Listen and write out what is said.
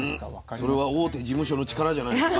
それは大手事務所の力じゃないですか？